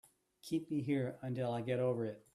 Keep me here until I get over it.